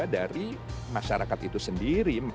dari masyarakat itu sendiri